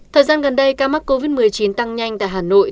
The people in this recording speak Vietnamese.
thời gian gần đây ca mắc covid một mươi chín tăng nhanh tại hà nội